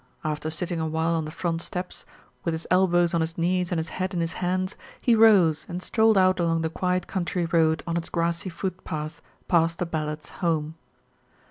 After sitting a while on the front steps, with his elbows on his knees and his head in his hands, he rose and strolled out along the quiet country road on its grassy footpath, past the Ballards' home.